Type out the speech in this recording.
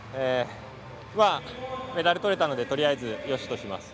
メダルとれたのでとりあえずよしとします。